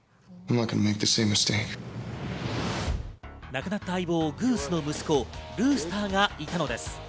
亡くなった相棒・グースの息子をルースターがいたのです。